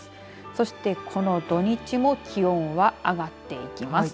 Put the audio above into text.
そしてこの土日も気温は上がっていきます。